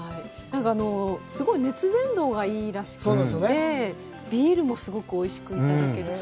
すごく熱伝導がいいらしくて、ビールもすごくおいしくいただけるそうです。